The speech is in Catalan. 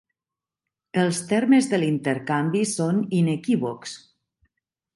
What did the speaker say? Els termes de l'intercanvi són inequívocs.